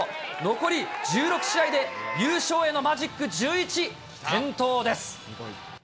残り１６試合で、優勝へのマジック１１点灯です。